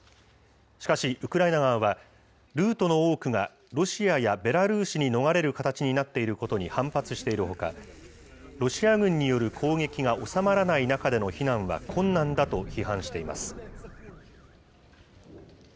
しかしウクライナ側は、ルートの多くがロシアやベラルーシに逃れる形になっていることに反発しているほか、ロシア軍による攻撃が収まらない中での避難は困難だと批判しています。